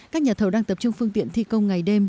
các nhà thầu đang tập trung phương tiện thi công ngày đêm